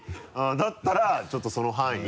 だったらちょっとその範囲？